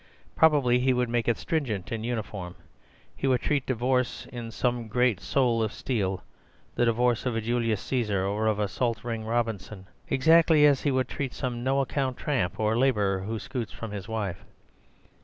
Probably he would make it stringent and uniform. He would treat divorce in some great soul of steel—the divorce of a Julius Caesar or of a Salt Ring Robinson— exactly as he would treat some no account tramp or labourer who scoots from his wife.